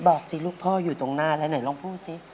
บอกสิลูกพ่ออยู่ตรงหน้าแล้วไหนลองพูดสิ